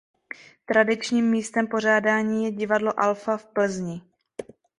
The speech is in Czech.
Tradičním místem pořádání je Divadlo Alfa v Plzni.